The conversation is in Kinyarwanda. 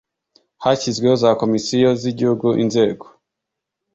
Hashyizweho za Komisiyo z Igihugu Inzego